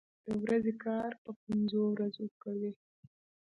د ورځې کار په پنځو ورځو کوي.